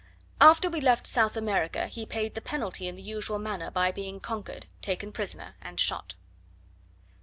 After we left South America, he paid the penalty in the usual manner, by being conquered, taken prisoner, and shot.